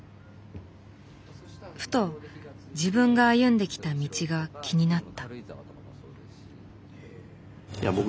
ふと自分が歩んできた道が気になった。